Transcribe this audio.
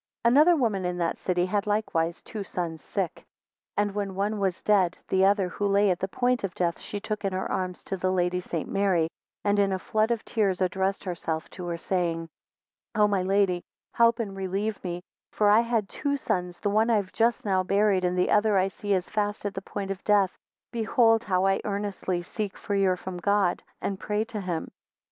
ANOTHER woman in that city had likewise two sons sick. 2 And when one was dead, the other, who lay at the point of death, she took in her arms to the Lady St. Mary, and in a flood of tears addressed herself to her, saying, 3 O my Lady, help and relieve me; for I had two sons, the one I have just now buried, the other I see is fast at the point of death behold how I (earnestly) seek for your from God, and pray to him.